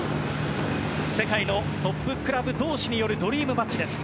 世界のトップクラブ同士によるドリームマッチです。